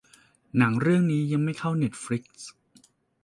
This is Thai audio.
หนังเรื่องนี้ยังไม่เข้าเน็ตฟลิกซ์